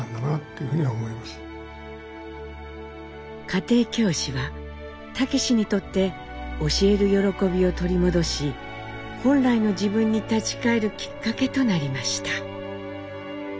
家庭教師は武にとって教える喜びを取り戻し本来の自分に立ち返るきっかけとなりました。